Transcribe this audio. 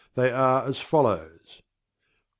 They are as follows: 1.